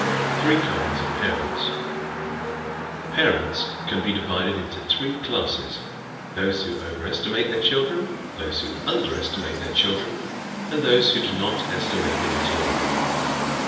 Three Kinds of Parents ¶ Parents can be divided into three classes those who over estimate their children, those who under estimate their children, and those who do not estimate them at all.